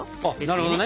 なるほどね。